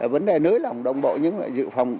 vấn đề nới lỏng đồng bộ nhưng mà dự phòng